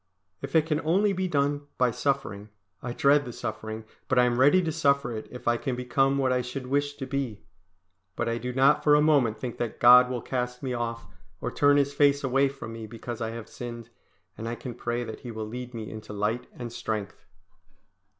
If it can only be done by suffering, I dread the suffering, but I am ready to suffer if I can become what I should wish to be. But I do not for a moment think that God will cast me off or turn His face away from me because I have sinned; and I can pray that He will lead me into light and strength.